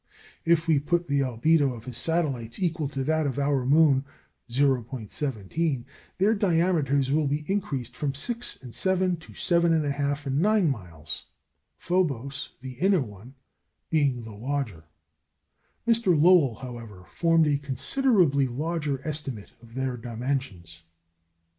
If we put the albedo of his satellites equal to that of our moon, 0·17, their diameters will be increased from 6 and 7 to 7 1/2 and 9 miles, Phobos, the inner one, being the larger. Mr. Lowell, however, formed a considerably larger estimate of their dimensions.